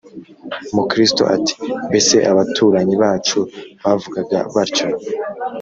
Mukristo ati: “Mbese abaturanyi bacu bavugaga batyo?